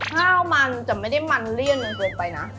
ข้าวมันจะไม่ได้มันเลี่ยนจนเกินไปนะ